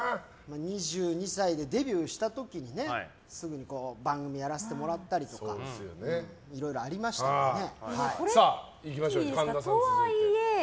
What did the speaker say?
２２歳でデビューした時にすぐ番組やらせてもらったりとかいろいろありましたけどね。